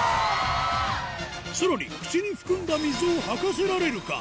さらに口に含んだ水を吐かせられるか？